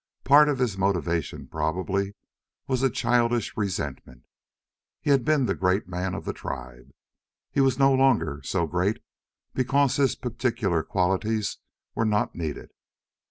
Part of his motivation, probably, was a childish resentment. He had been the great man of the tribe. He was no longer so great because his particular qualities were not needed.